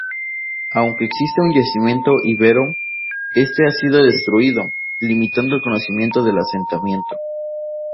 Aunque existe un yacimiento íbero, este ha sido destruido, limitando el conocimiento del asentamiento.